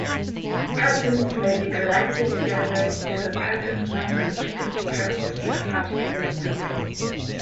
Patterns may be collected together into a pattern language that addresses a particular domain.